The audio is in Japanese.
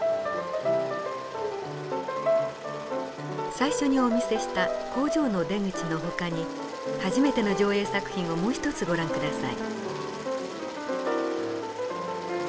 最初にお見せした「工場の出口」のほかに初めての上映作品をもう一つご覧下さい。